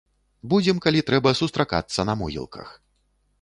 Будзем, калі трэба, сустракацца на могілках.